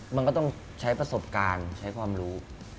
มันก็ต้องใช้ประสบการณ์ใช้ความรู้